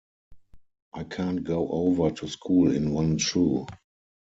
I can't go over to school in one shoe.